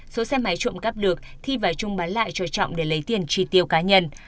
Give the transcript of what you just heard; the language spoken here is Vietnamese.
số xe máy trộm cắp được thi và trung bán lại cho trọng để lấy tiền tri tiêu cá nhân